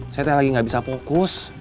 saya lagi gak bisa fokus